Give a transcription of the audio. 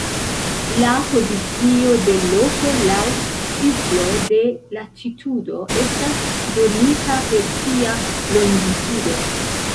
La pozicio de loko laŭ cirklo de latitudo estas donita per sia longitudo.